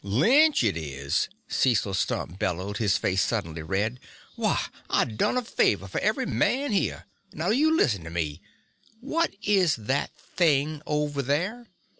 "Lynch, is it!" Cecil Stump bellowed, his face suddenly red. "Why, I done a favor for every man here! Now you listen to me! What is that thing over there?"